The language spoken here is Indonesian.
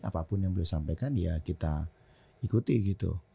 apapun yang beliau sampaikan ya kita ikuti gitu